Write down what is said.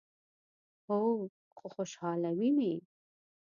هو، خو خوشحالوي می